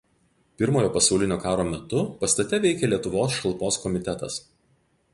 Pirmojo pasaulinio karo metu pastate veikė Lietuvos šalpos komitetas.